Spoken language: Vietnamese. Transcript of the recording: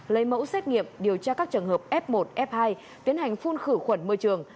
lấy mẫu xét nghiệm điều tra các trường hợp f một f hai tiến hành phun khử khuẩn môi trường